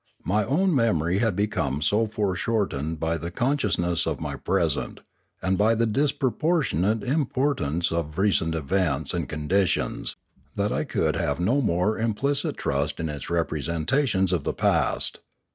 My own memory had become so foreshortened by the conscious ness of my present, and by the disproportionate im portance of recent events and conditions that I could have no more implicit trust in its representations of the past.